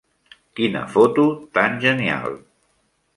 Quina foto tan genial!